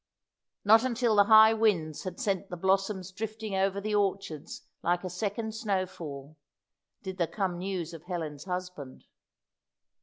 Not until the high winds had sent the blossoms drifting over the orchards like a second snowfall, did there come news of Helen's husband.